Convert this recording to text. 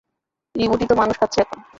রিব্যুটই তো মানুষ খাচ্ছে এখন।